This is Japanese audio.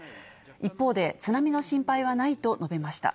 一方で、津波の心配はないと述べました。